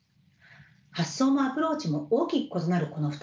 発想もアプローチも大きく異なるこの２つ。